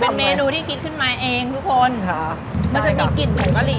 เป็นเมนูที่คิดขึ้นมาเองทุกคนค่ะมันจะมีกลิ่นหมูกะหรี่